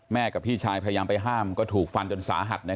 กับพี่ชายพยายามไปห้ามก็ถูกฟันจนสาหัส